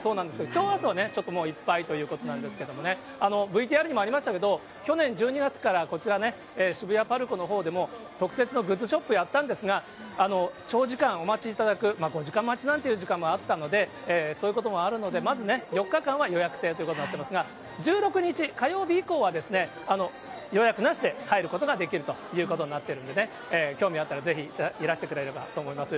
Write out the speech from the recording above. きょう、あすは、もういっぱいということなんですけどね、ＶＴＲにもありましたけど、去年１２月からこちら、渋谷ＰＡＲＣＯのほうでも特設のグッズショップやったんですが、長時間お待ちいただく、５時間待ちなんていう時間もあったので、そういうこともあるので、まずね、４日間は予約制ということになってますが、１６日火曜日以降は、予約なしで入ることができるということになってるんでね、興味あったらぜひいらしてくれればと思います。